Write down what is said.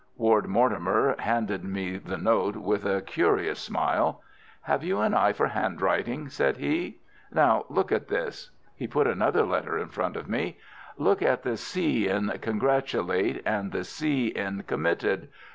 Ward Mortimer handed me the note, with a curious smile. "Have you an eye for handwriting?" said he. "Now, look at this!" He put another letter in front of me. "Look at the c in 'congratulate' and the c in 'committed.